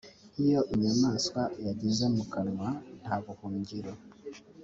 iyo inyamaswa yageze mu kanwa nta buhungiro